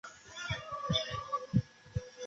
县治位于斯卡杜。